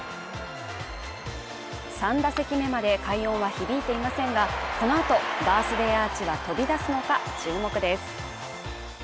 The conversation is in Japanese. ３打席目まで快音は響いていませんが、このあとバースデーアーチは飛び出すのか注目です。